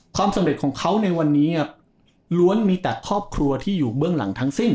ความสำเร็จของเขาในวันนี้ล้วนมีแต่ครอบครัวที่อยู่เบื้องหลังทั้งสิ้น